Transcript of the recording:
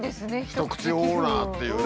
一口オーナーっていうね。